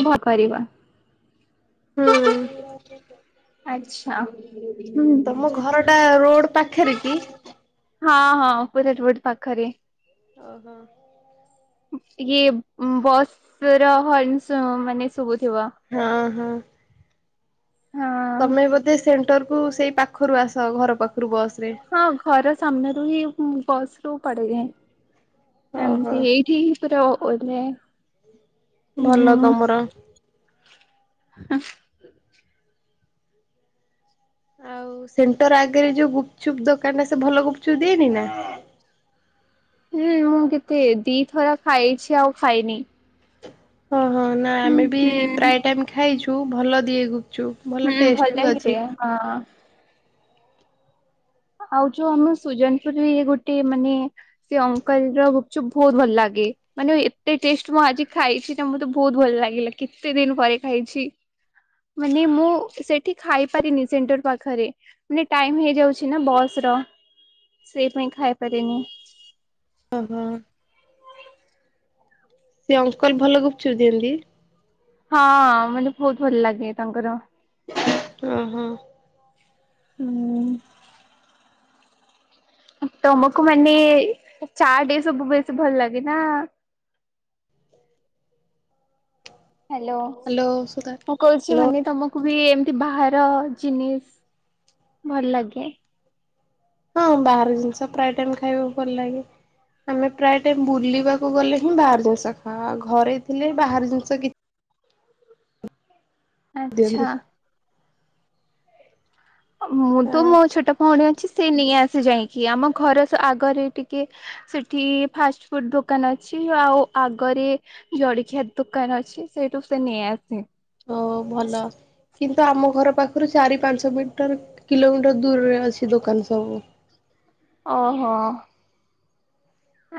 ଉ ଭ କରିବାିବା ହୁଁ [unintelligible] ଆଚ୍ଛା, ତମ ହୁଁ। ଘର ଟା ରୋଡ ପାଖରେ କି? ହଁ ହଁ, ପୁରା ରୋଡ୍ ପାଖରେ। ଓହୋ। ଟିକେ ବସ୍ ର ହର୍ଣ ମାନେ ଶୁଭୁଥିବ। ହଁ ହଁ। ହଁ ତମେ ବୋଧେ ସେଣ୍ଟର କୁ ସେଇ ପାଖରୁ ଆସ, ଘର ପାଖରୁ ବସ ରେ। ହଁ ଘର ସାମ୍ନା ରୁ ହିଁ ବସ୍ ରୁ ଚଢ଼ି। ଓହୋ ଏମିତି ଏଇଠି ପୁର ଓେ [unintelligible] ଭଲ ତମର। ହ [unintelligible] ଆଉ ସେଣ୍ଟର ଆଗରେ ଯୋଉ ଗୁପଚୁପ୍ ଦୋକାନ, ସେ ଭଲ ଗୁପଚୁପ ଦିଏନି ନା। ହୁଁ ମୁଁ କେତେ ଦିଥର ଖାଇଛି ଆଉ ଖାଇନି। ଓହୋ ନା ହୁଁ ଆମେ ବି ହୁଁ ପ୍ରାୟ ଟାଇମ ଖାଇଛୁ ଭଲ ଦିଏ ଗୁପଚୁପ୍। ଭଲ ହୁଁ ଟେଷ୍ଟ ବି ଭଲ ହଁ ଅଛି। ଦିଏ। ଆଉ ଯୋଉ ଆମ ସୁଜନପୁର ଏ ଗୋଟେ ମାନେ। ସେ ଅଙ୍କଲ ର ଗୁପଚୁପ୍ ବହୁତ ଭଲ ଲାଗେ। ମାନେ ଏତେ ଟେଷ୍ଟ ମୁଁ ଆଜି ଖାଇଛି ନା ମତେ ବହୁତ ଭଲ ଲାଗିଲା କେତେ ଦିନ ପରେ ଖାଇଛି। ମାନେ ମୁଁ ସେଠି ଖାଇପାରିନି ସେଣ୍ଟର୍ ପାଖରେ ମାନେ ଟାଇମ୍ ହେଇଯାଉଛି। ଛି ନା ବସ୍ ର ସେଇ ପାଇଁ ଖାଇ ପାରେନି। ଓହୋ। ସେ ଅଙ୍କଲ୍ ଭଲ ଗୁପଚୁପ୍ ଦିଅନ୍ତି। ହଁ ମାନେ ବହୁତ ଭଲ ଲାଗେ ତାଙ୍କର ହୁଁ-ହୁଁ। ହୁଁ। ତମକୁ ମାନେ ଚାଟ୍ ଏ ସବୁ ବେଶୀ ଭଲ ଲାଗେ ନା। ହ୍ୟାଲୋ, ହ୍ୟାଲୋ ସୁଧା ମୁଁ କହୁଛି ହ୍ୟାଲୋ ମାନେ ତମକୁ କୁ ବି ଏମତି ବାହାର ଜିନିସ ଭଲ ଲାଗେ। ହଁ ବାହାର ଜିନିଷ ପ୍ରାୟ ଟାଇମ୍ ଖାଇବାକୁ ଭଲ ଲାଗେ। ଆମେ ପ୍ରାୟ ଟାଇମ୍ ବୁଲିବାକୁ ଗଲେ ହିଁ ବାହାର ଜିନିଷ ଖାଉ ଘରେ ଥିଲେ ବାହାର ଜିନିଷ କିଛି ଦିଅନ୍ତି ଆଚ୍ଛା। ମୁଁ ତ ହଁ ମୋ ଛୋଟ ଭଉଣୀ ଅଛି ସେ ନେଇ ଆସି ଯାଇକି ଆମ ଘର ଆଗରେ ଟିକେ ସେଠି ଫାଷ୍ଟଫୁଡ୍ ଦୋକାନ୍ ଅଛି ଆଉ ଆଗରେ ଜଳିଖିଆ ଦୋକାନ୍ ଅଛି ସେଇଠୁ ସେ ନେଇ ଆସେ। ଓହୋ ଭଲ। କିନ୍ତୁ ଆମ ଘର ପାଖରୁ ଚାରି ପାଞ୍ଚ ମିଟର କିଲୋମିଟର ଦୂରରେ ଅଛି ଦୋକାନ୍ ସବୁ। ଓହୋ।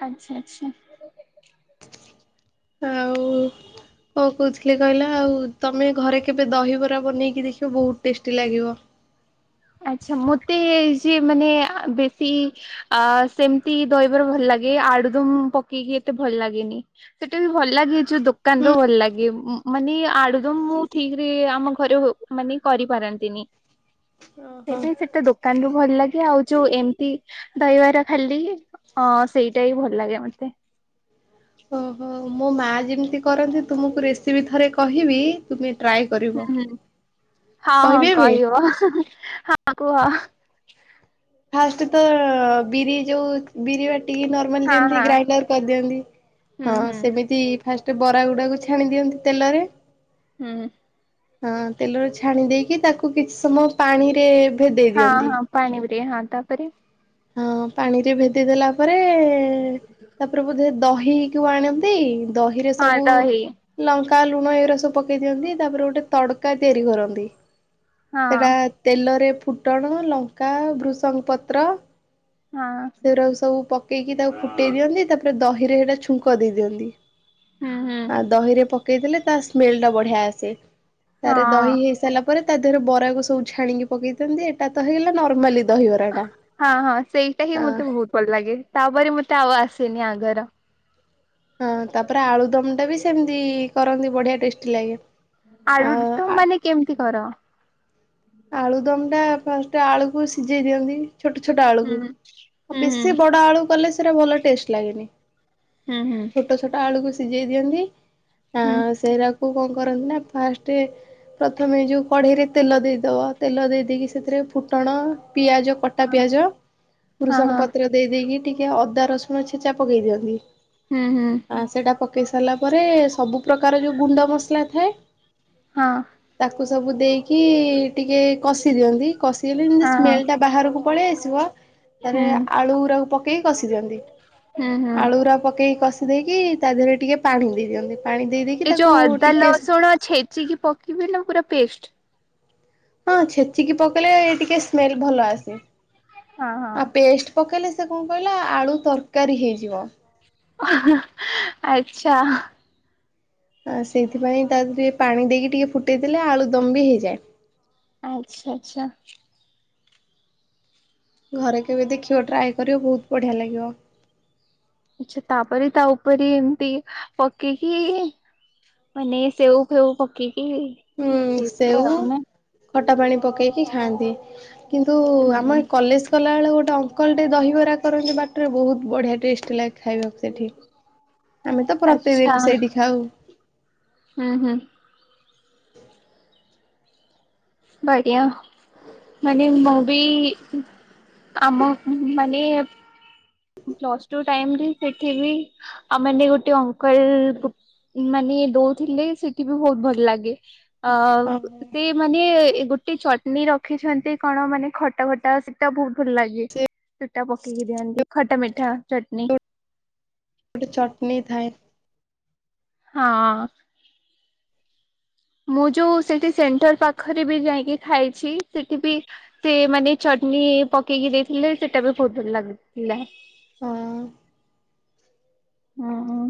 ଆଚ୍ଛା-ଆଚ୍ଛା। ଆଉ। କଣ କହୁଥିଲି କହିଲ ଆଉ ତମେ ଘରେ କେବେ ଦହିବରା ବନେଇକି ଦେଖିବ ବହୁତ ଟେଷ୍ଟି ଲାଗିବ। ଆଛା ମତେ ଯିଏ ମାନେ ବେଶୀ ଆ ସେମିତି ଦହିବାର ଭଲ ଲାଗେ ଆଳୁଦମ୍ ପକେଇକି ଏତେ ଭଲ ଲାଗେନି। ସେଟା ବି ଭଲ ଲାଗେ ଯୋଉ ଦୋକାନ୍ ର ହୁଁ ଭଲ ଲାଗେ। ମାନେ ଆଳୁଦମ୍ ମୁଁ ଠିକ୍ ରେ ଆମ ଘରେ ମାନେ କରିପାରନ୍ତିନି। ଓହୋ। ସେଇଥି ପାଇଁ ସେଟା ଦୋକାନ୍ ରୁୁ ଭଲ ଲାଗେ ଆଉ ଯୋଉ ଏମିତି ଦହିବାର ଖାଲି ହଁ ସେଇଟା ବି ଭଲ ଲାଗେ ମତେ। ଓହୋ ମୋ ମା ଯେମିତି କରନ୍ତି ତୁମକୁ ରେସିପି ଥରେ କହିବି ତୁମେ ଟ୍ରାଏ କରିବ। ହୁଁ-ହୁଁ କହିବି ହଁ-ହଁ ଏବେ? କହିବ ହଁ କୁହ। ଫାଷ୍ଟ୍ ତ ବିରି ଯୋଉ ବିରି ବାଟିକି [unintelligible] ଯେମିତି ହଁ ଗ୍ରାଇଣ୍ଡର କରିଦିଅନ୍ତି ହୁଁ ହଁ ହୁଁ ସେମିତି। ଫାଷ୍ଟେ ବରା ଗୁଡାକୁ ଛାଣି ଦିଅନ୍ତି ତେଲରେ। ହୁଁ। ହଁ ତେଲରେ ଛାଣି ଦେଇକି ତାକୁ କିଛି ସମୟ ପାଣିରେ ଭେଦେଇ ଦିଅନ୍ତି। ହଁ-ହଁ ପାଣି [unintelligible] ହଁ ତା ପରେ ହଁ ପାଣି ରେ ଭେଦେଇ ଦେଲା ତା ପରେ-ତା ପରେ ବୋଧେ ଦହି କୁ ଆଣନ୍ତି ଦହିରେ ହଁ ସବୁ ଦହି ଲଙ୍କା ଲୁଣ ଏଗୁରା ସବୁ ପକେଇ ଦିଅନ୍ତି ତାପରେ ଗୋଟେ ତଡ଼କା ତିଆରି କରନ୍ତି। ହଁ ସେଟା ତେଲରେ ଫୁଟଣ ଲଙ୍କା ଭୃଷଙ୍ଗ ପତ୍ର। ହଁ। ସବୁ ପକେଇକି ତାକୁ ଫୁଟେଇ ଦିଅନ୍ତି ତା ପରେ ଦହିରେ ସେଟା ଛୁଙ୍କ ଦେଇ ଦିଅନ୍ତି। ହୁଁ ହୁଁ ଆ ଦହିରେ ପକେଇ ଦେଲେ ତା ସ୍ମେଲ୍ ଟା ବଢ଼ିଆ ଆସେ। ତା ପରେ ଦହି ହଁ। ହେଇ ସାରିଲା ପରେ ତା ଦେହରେ ବରା କୁ ସବୁ ଛାଣିକି ପକେଇ ଦିଅନ୍ତି ଏଇଟା ତ ହେଲା ନର୍ମାଲି ଦହିବରା ଟା। ହଁ-ହଁ ସେଇଟା ହିଁ ଆ ମତେ ବହୁତ ଭଲ ଲାଗେ ତା ପରେ ମତେ ଆଉ ଆସେନି ଆଗର ହଁ ତା ପରେ ଆଳୁଦମ୍ ଟା ବି ସେମିତି କରନ୍ତି ବଢ଼ିଆ ଟେଷ୍ଟି ଲାଗେ। ଆଉ ଆଳୁଦମ୍ ଆ ମାନେ କେମିତି କର? ଆଳୁଦମ୍ ଟା ଫାଷ୍ଟେ ଆଳୁ କୁ ସିଝେଇ ଦିଅନ୍ତି। ଛୋଟ ଛୋଟ ହୁଁ ଆଳୁକୁ ଆଉ ହୁଁ ହୁଁ ବେଶୀ ବଡ ଆଳୁ କଲେ ସେଗୁରା ଭଲ ଟେଷ୍ଟ ଲାଗେନି। ହଁ ହଁ। ଛୋଟ ଛୋଟ ଆଳୁକୁ ସିଝେଇ ଦିଅନ୍ତି ଆ ହଁ। ସେଇରାକୁ କଣ କରନ୍ତି ନା ଫାଷ୍ଟେ ପ୍ରଥମେ ଯୋଉ କଢ଼େଇରେ ତେଲ ଦେଇ ଦବ ତେଲ ଦେଇ ଦେଇକି ସେଥିରେ ଫୁଟଣ ପିଆଜ କଟା ପିଆଜ ହଁ ବୃଷଙ୍ଗ ହଁ ପତ୍ର ଦେଇେ ଦେଇକି ଟିକେ ଅଦା ରସୁଣ ଛେଚା ପକେଇ ଦିଅନ୍ତି ହଁ ହଁ। ଆ ସେଇଟା ପକେଇ ସାରିଲା ପରେ ସବୁ ପ୍ରକାର ଯୋଉ ଗୁଣ୍ଡ ମସଲା ଥାଏ ହଁ। ତାକୁ ସବୁ ଦେଇକି ଟିକେ କଷି ଦିଅନ୍ତି କଷିଗଲେ ଯେନ୍ତି ହଁ ହଁ ସ୍ମେଲ ଟା ବାହାରକୁ ପଳେଇ ଆସିବ ତାରେ ହୁଁ। ଆଳୁ ଗୁରାକୁ ପକେଇକି କଷି ଦିଅନ୍ତି ହୁଁ ହୁଁ ଆଳୁୁଗୁରାକୁ ପକେଇକି କଷି ଦେଇକି ତା ଦେହରେ ଟିକେ ପାଣି ଦେଇ ଦିଅନ୍ତି ପାଣି ଦେଇ ଦେଇକି ଏ ତାକୁ ଯୋଉ ଅଦା ଟିକେ ଲସୁଣ ଛେଚିକି ପକେଇବି ନା ପୁରା ପେଷ୍ଟ? ହଁ ଛେଚିକି ପକେଇଲେ ଏ ଟିକେ ସ୍ମେଲ ଭଲ ଆସେ ହଁ ହଁ। ଆଉ ପେଷ୍ଟ ପକେଇଲେ ସେ କଣ କହିଲା ଆଳୁ ତରକାରୀ ହେଇଯିବ। ଅ ହ ଆଚ୍ଛା। ଆ ସେଇଥିପାଇଁ ତା ଦେରେ ଟିକେ ପାଣି ଦେଇକି ଟିକେ ଫୁଟେଇ ଦେଲେ ଆଳୁଦମ୍ ବି ହେଇଯାଏ। ଆଚ୍ଛା ଆଚ୍ଛା। ଘରେ କେବେ ଦେଖିବ ଟ୍ରାଏ କରିବ ବହୁତ ବଢ଼ିଆ ଲାଗିବ। ଆଛା ତାପରେ ତା ଉପରେ ଏମତି ପକେଇକି ମାନେ ସେଉ ଫେଉ ପକେଇକି ହଁ ହେଇଯାଏ ସେଉ ଆଉ ନା? ଖଟା ପାଣି ପକେଇକି ଖାଆନ୍ତି। କିନ୍ତୁ ହୁଁ ଆମ ହୁଁ ଏଇ କଲେଜ୍ ଗଲାବେଳେ ଗୋଟେ ଅଙ୍କଲଟେ ଦହିିବରା କରନ୍ତି ବାଟରେ ବହୁତ ବଢ଼ିଆ ଟେଷ୍ଟ ଲାଗେ। ଖାଇବାକୁ ସେଠି ଆମେ ତ ପ୍ରତି ଦିନ ସେଇଠି ଖାଉ। ଉଁ ହଁ। ହ [unintelligible] ବଢିଆ ମାନେ ମୁଁ ବି ଆମ ମାନେ ପ୍ଲସ୍ ଟୁ ଟାଇମ ରେ ସେଠି ବି ଆ ମାନେ ଗୋଟେ ଅଙ୍କଲ ଗୁପ ମାନେ ଦଉଥିଲେ ସେଠି ବି ବହୁତ ଭଲ ଲାଗେ ଆ ଓହୋ ସେ ମାନେ ଗୋଟେ ଚଟନୀ ରଖିଛନ୍ତି କଣ ମାନେ ଖଟା ଖଟା ସେଟା ବହୁତ ଭଲ ଲାଗେ। ସେ ସେଟା ପକେଇକି ଦିଅନ୍ତି ଖଟା ମିଠା ଚଟନୀ ଗୋଟେ ଚଟନି ଥାଏ ହଁ। ମୁଁ ଯୋଉ ସେଠି ସେଣ୍ଟର ପାଖରେ ବି ଯାଇକି ଖାଇଛି ସେଠି ବି ସେ ମାନେ ଚଟନୀ ପକେଇକି ଦେଇଥିଲେ ସେଟା ବି ବହୁତ ଭଲ ଲାଗୁଥିଲା। ହଁ। ହଁ ହଁ।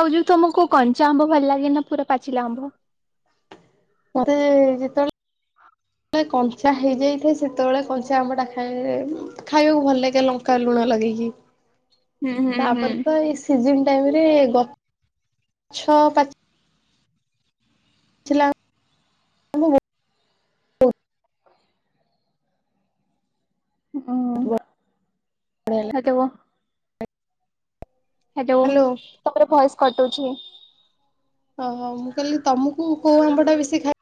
ଆଉ ଯୋଉ ତମକୁ କଞ୍ଚା ଆମ୍ବ ଭଲ ଲାଗେ ନା ପୁରା ପାଚିଲା ଆମ୍ବ? ମତେ ଯେତେବେଳେ ଳେ କଞ୍ଚା ହେଇଯାଇଥାଏ ସେତେବେଳେ କଞ୍ଚା ଆମ୍ବ ଟା ଖାଇଲେ ଖାଇବାକୁ ଭଲ ଲାଗେ ଲଙ୍କା ଲୁଣ ଲଗେଇକି। [inaudible] ହୁଁ ତାପରେ ତ ଏଇ ସିଜନ୍ ଟାଇମ୍ ରେ ଗ ଛଅ ପାଚି ଥିଲା [inaudible] ହୁଁ ବଢିଆ ଲାଗେ। ଆଦବ [unintelligible] ହ୍ୟାଲୋ ତମର ଭଏସ୍ କଟୁଛି। ଓହୋ ମୁଁ କହିଲି ତମକୁ କଉ ଆମ୍ବ ଟା ବେଶୀ ଖାଇ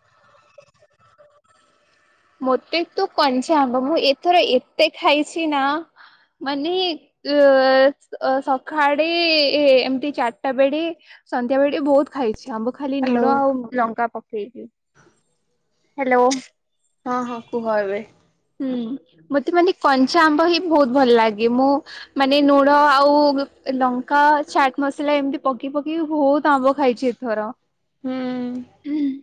ମତେ ତ କଞ୍ଚା ଆମ୍ବ ମୁଁ ଏଥର ଏତେ ଖାଇଛି ନା ମାନେ ଅ ସଖାଡେ ଏମତି ଚାରିଟା ବେଡେ ସନ୍ଧ୍ୟା ବେଳେ ଟେ ବହୁତ ଖାଇଛି ଆମ୍ବ ଖାଲି ହ୍ୟାଲୋ ଲୁଣ ଆଉ ଲଙ୍କା ପକେଇକି। ହ୍ୟାଲୋ। ହଁ ହଁ କୁହ ଏବେ। ହୁଁ ମତେ ମାନେ କଞ୍ଚା ଆମ୍ବ ହିଁ ବହୁତ ଭଲ ଲାଗେ ମୁଁ ମାନେ ନୁଣ ଆଉ ଲଙ୍କା ଚାଟ୍ ମସଲା ଏମିତି ପକେଇ ପକେଇ ବହୁତ ଆମ୍ବ ଖାଇଛି। ଧର ହୁଁ।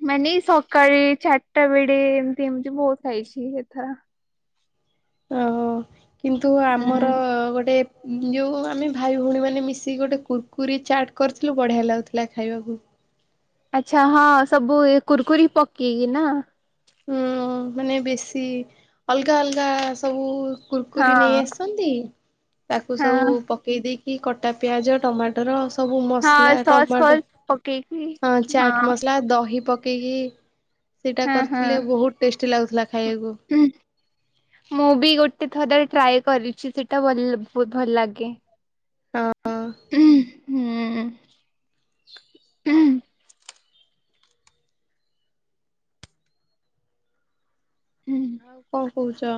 ମାନେ ସକାଳେ ଚାରିଟା ବେଡେ ଏମିତି ଏମିତି ବହୁତ ଖାଇଛି ଏଥର। ଓହୋ କିନ୍ତୁ ହୁଁ ଆମର ଗୋଟେ ଯୋଉ ଆମେ ଭାଇ ଭଉଣୀ ମାନେ ମିଶିକି ଗୋଟେ କୁୁରକୁରି ଚାଟ୍ କରିଥିଲୁ ବଢିଆ ଲାଗୁଥିଲା ଖାଇବାକୁ। ଆଛା ହଁ ସବୁ କୁୁରକୁରି ପକେଇକି ନା? ହୁଁ ମାନେ ବେଶୀ ଅଲଗା ଅଲଗା ସବୁ କୁୁରକୁରି ହଁ ନେଇ ଆସି ତାକୁ ସବୁ ହଁ ପକେଇ ଦେଇକି କଟା ପିଆଜ ଟମାଟୋ ଟର ସବୁ ହଁ ମସଲା ସସ୍ ଟମାଟୋ ଫସ୍ ପକେଇକି ହଁ ଚାଟ୍ ମସଲା ଦହି ପକେଇକି ସେଇଟା ହଁ କରି ଟେଷ୍ଟି ଲାଗୁଥିଲା ଖାଇବାକୁ। ହୁଁ। ମୁଁ ବି ଗୋଟେ ଥର ଟ୍ରାଏ କରିଛି ସେଇଟା ଭ ବହୁତ ଭଲ ଲାଗେ। ହଁ ହୁଁ ହୁଁ। ହୁଁ। କଣ କହୁଛ?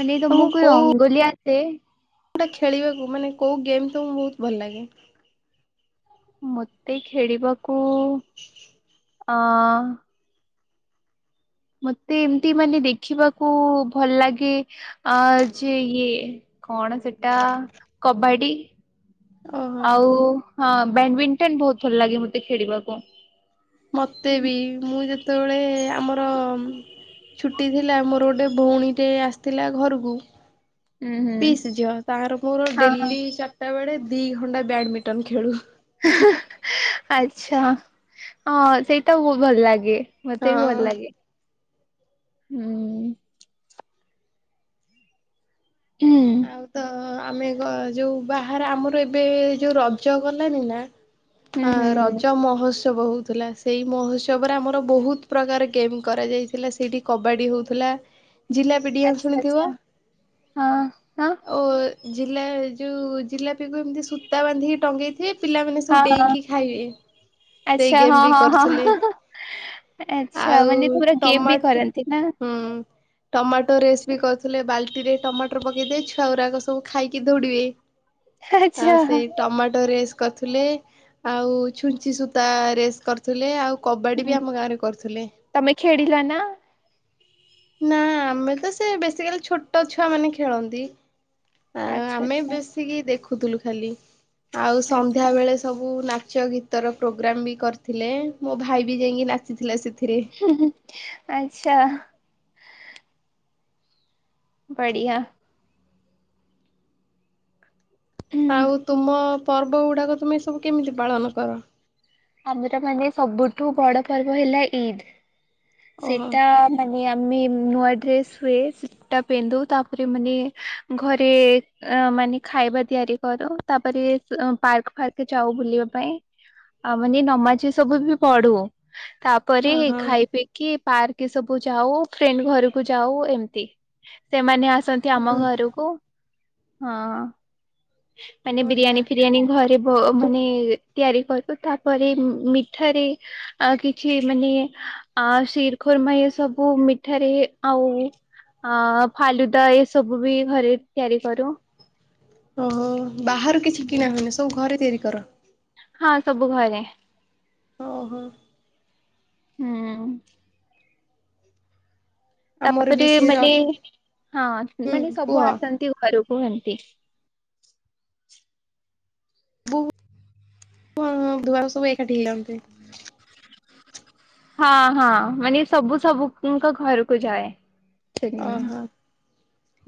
ମାନେ ତମକୁ ରଙ୍ଗୋଲି ଆସେ? କୋଉଟା ଖେଳିବାକୁ ମାନେ କୋଉ ଗେମ୍ ତମକୁ ବୋହୁତ ଭଲ ଲାଗେ? ମତେ ଖେଳିବାକୁ ଅ ମତେ ଏମତି ମାନେ ଦେଖିବାକୁ ଭଲ ଲାଗେ ଆ ଯେ ଇଏ କଣ ସେଟା କବାଡି। ଓହୋ ଆଉ ହଁ ବ୍ୟାଡମିଣ୍ଟନ୍ ବହୁତ ଭଲ ଲାଗେ ମତେ ଖେଳିବାକୁ। ମତେ ବି ମୁଁ ଯେତେବେଳେ ଆମର ଛୁ ଟିଥିଲା ମୋର ଗୋଟେ ଭଉଣୀ ଟେ ଆସିଥିଲା ଘରକୁ। ହୁଁ ହୁଁ। ପିସ୍ ଝିଅ ତାର ମୋର ହଁ ହଁ ଡେଲି ଚାରିଟା ବେଳେ ଦି ଘଣ୍ଟା ବ୍ୟାଡମିଣ୍ଟନ ଖେଳୁ। ଆଚ୍ଛା ସେଇଟା ବହୁତ ଭଲ ଲାଗେ। ମତେ ବି ଭଲ ହଁ ଲାଗେ ହୁଁ ହୁଁ। ଆଉ ହୁଁ ତ ଆମେ ଯୋଉ ବାହାରେ ଆମର ଏବେ ଯୋଉ ରଜ ଗଲାନି ନା ଆ ହୁଁ ରଜ ମହୁତ୍ସ ଉହତ୍ସବ ହେଉଥିଲା ସେହି ମହୋତ୍ସବରେ ଆମର ବହୁତ ପ୍ରକାର ଗେମ୍ କରାଯାଇଥିଲା ସେଇଠି କବାଡ଼ି ହେଉଥିଲା। ଜିଲ୍ଲା ଆଛା ଆଛା ହଁ ହୁଁ। ଓ ଜିଲ୍ଲା ଯୋଉ ଜିଲ୍ଲା ଏମିତି ସୂତା ବ ବାନ୍ଧିକି ଟଗେଇଥିବେ ପିଲାମାନେ ସବୁ ହଁ ହଁ ଡେଇଁକି ଖାଇବେ। ସେଇ ଆଚ୍ଛା ଗେମ ହଁ ବି ହଁ କରିଥିଲି। ହଁ ଆଚ୍ଛା ଆଉ ମାନେ ତମର ଗେମ୍ ବି ଟମାଟ କରନ୍ତି ନା? ହୁଁ। ଟମାଟୋ ରେସ୍ ବି କରୁଥିଲେ ବାଲ୍ଟି ରେ ଟମାଟୋ ପକେଇଦ ଛୁଆଗୁରାକ ସବୁ ଖାଇକି ଦୌଡିବେ ଆଚ୍ଛା ଆଉ ସେଇ ଟମାଟୋ ରେସ୍ କରୁଥିଲେ ଆଉ ଛୁଞ୍ଚି ସୂତା ରେସ୍ କର ଥିଲେ ଆଉ କବାଡ଼ି ହୁଁ ବି ଆମ ଗାଁରେ କରୁଥିଲେ। ତମେ ଖେଳିଲ ନା ନା ଆମେ ତ ସେ ବେଶୀ କାଲି ଛୋଟ ଛୁଆ ମାନେ ଖେଳନ୍ତି। ଆମେ ବେଶିକି ଦେଖୁଥିଲୁ ଖାଲି ଆଉ ସନ୍ଧ୍ୟା ବେଳେ ସବୁ ନାଚ ଗୀତର ପ୍ରୋଗ୍ରାମ୍ ବି କରିଥିଲେ ମୋ ଭାଇ ବି ଯାଇକି ନାଚିଥିଲା ସେଥିରେ। ଆଚ୍ଛା। ବଢିଆ। ଆଉ ତୁମ ପର୍ବ ଗୁଡାକ ତୁମେ ଏ ସବୁ କେମିତି ପାଳନ କର? ଆମର ମାନେ ସବୁଠୁ ବଡ ପର୍ବ ହେଲା ଇଦ ଓହୋ ସେଟା ମାନେ ଆମେ ନୂଆ ଡ୍ରେସ୍ ହୁଏ ସେଟା ପିନ୍ଧୁ ତାପରେ ମାନେ ଘରେ ଅ ମାନେ ଖାଇବା ତିଆରି କରୁ ତାପରେ ପାର୍କ ଫାର୍କ ଯାଉ ବୁଲିବା ପାଇଁ। ଆଉ ମାନେ ନମାଜ ସବୁ ବି ପଢୁ ତାପରେ ଓହୋ ଖାଇ ପିଇ କି ପାର୍କ ସବୁ ଯାଉ ଫ୍ରେଣ୍ଡ ଘରକୁ ଯାଉ ଏମତି ସେମାନେ ଆସନ୍ତି। ଆମ ହୁଁ ଘରକୁ ହଁ ମାନେ ବଢିଆ। ବିରିୟାନୀ ଫିରିୟାନୀ ଘରେ ମାନେ ତିଆରି କରିବୁ ତାପରେ ମିଠାରେ ଆ କିଛି ମାନେ ଆ ଶିରଖରମା ଏ ସବୁ ମିଠାରେ ଆଉ ଅ ଫାଲୁଦା ଏ ସବୁ ବି ଘରେ ତିଆରି କରୁ। ଓହୋ ବାହାରୁ କିଛି ହୁଁ। କିଣା ହନି ସବୁ ଘରେ ତିଆରି କର? ହଁ ସବୁ ଘରେ। [unintelligible] ହୁଁ। ଆମର ବି ତାପରେ ସେ ର ମାନେ ହଁ ହୁଁ ମାନେ କୁହ ସବୁ ଆସନ୍ତି ଘରକୁ ଏମତି। ହୁଁ ଧୁଆ ସବୁ ଏକାଠି ହେଇ [unintelligible] ହଁ ହଁ ମାନେ ସବୁ ସବୁଙ୍କ ଘରକୁ ଯାଏ। ସେଦିନ। ଓହୋ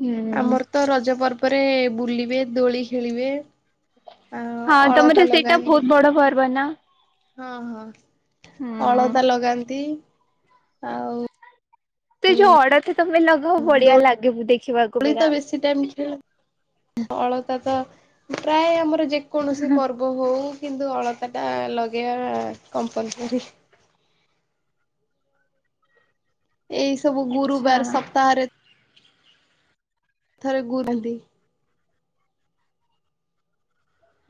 ହୁଁ ଆମର ତ ରଜ ପର୍ବରେ ବୁଲିବେ ଦୋଳି ଖେଳିବେ। ଆ ହଁ ତମର ଅଳତା ସେଇଟା ଲଗାନ୍ତି। [unintelligible] ନା ହଁ ହଁ ହୁଁ। ଅଳତା ଲଗାନ୍ତି ଆଉ ତ ଯୋଉ ଅଡଥ ତମେ ଲଗବ ବଢିଆ ଦୋଳି ଲାଗିବୁ ଦେଖିବାକୁ ପୁରା। [unintelligible] ଅଳତା ତ ପ୍ରାୟ ଆମର ଯେକୌଣସି ପର୍ବ ହେଉ କିନ୍ତୁ ଅଳତା ଟା ଲଗେଇବା କମ୍ପଲସରି। ଏଇ ସବୁ ଆଚ୍ଛା ଗୁରୁବାର ସପ୍ତାହରେ [unintelligible]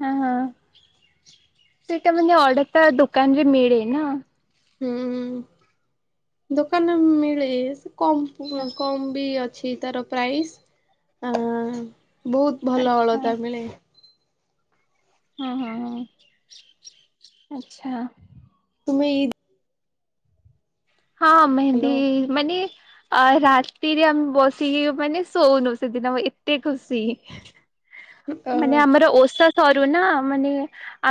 ହଁ ହଁ ସେଇଟା ମାନେ ଅର୍ଡତା ଦୋକାନରେ ମିଳେ ନା। ହୁଁ ହୁଁ ଦୋକାନରେ ମିଳେ ସେ କମ ଆଛା କମ୍ ବି ଅଛି ତାର ପ୍ରାଇସ୍ ଆଁ ବହୁତ ଭଲ ଅଳତା ଆଚ୍ଛା ଅଳତା ମିଳେ। ହଁ ହଁ ହଁ ଆଚ୍ଛା। ତୁମେ ହଁ ମେହେନ୍ଦି ହ୍ୟାଲୋ। ମାନେ ଆ ରାତିରେ ଆମେ ବସିକି ମାନେ ଶଉନୁ ସେଦିନ ଏତେ ଖୁସି। ମାନେ ଆମର ଓଷା ସରୁନା ମାନେ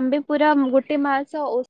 ଆମ୍ଭେ ପୁରା ଗୋଟେ ମାସ ଓଷା